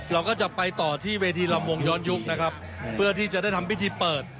เราก็จะไปต่อที่เวทีลำวงย้อนยุคนะครับเพื่อที่จะได้ทำพิธีเปิด